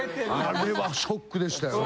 あれはショックでしたよね。